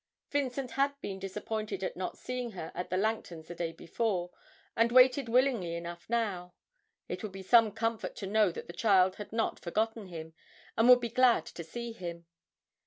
Vincent had been disappointed at not seeing her at the Langtons' the day before, and waited willingly enough now. It would be some comfort to know that the child had not forgotten him, and would be glad to see him.